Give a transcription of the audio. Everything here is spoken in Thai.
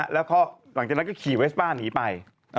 แล้วก็หลังจากนั้นก็ขี่เวสป้าหนีไป